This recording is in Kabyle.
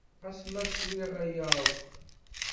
Ɣas ma swiɣ aya akk?